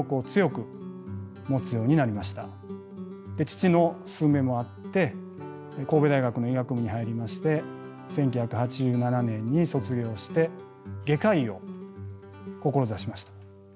父の勧めもあって神戸大学の医学部に入りまして１９８７年に卒業して外科医を志しました。